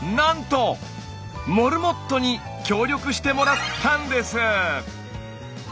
モルモットに協力してもらったんです！